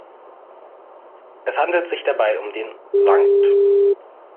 Es handelt sich dabei um den «St.